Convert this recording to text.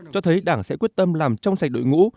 cho thấy đảng sẽ quyết tâm làm trong sạch đội ngũ